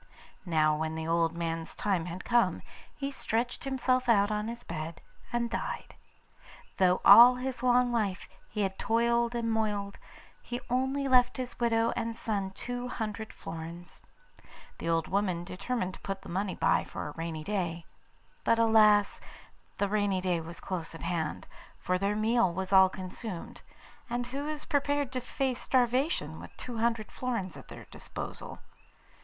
Now when the old man's time had come, he stretched himself out on his bed and died. Though all his life long he had toiled and moiled, he only left his widow and son two hundred florins. The old woman determined to put by the money for a rainy day; but alas! the rainy day was close at hand, for their meal was all consumed, and who is prepared to face starvation with two hundred florins at their disposal?